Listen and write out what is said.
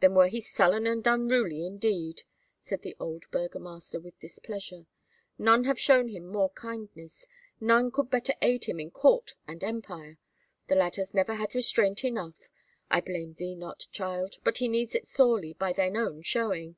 "Then were he sullen and unruly, indeed!" said the old burgomaster with displeasure; "none have shown him more kindness, none could better aid him in court and empire. The lad has never had restraint enough. I blame thee not, child, but he needs it sorely, by thine own showing."